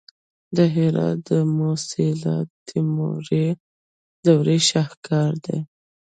د هرات د موسیلا د تیموري دورې شاهکار دی